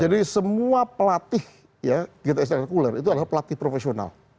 jadi semua pelatih ya di sekolah itu adalah pelatih profesional